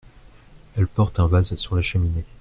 Elle porte un vase sur la cheminée.